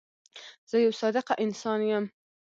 زه یو صادقه انسان یم.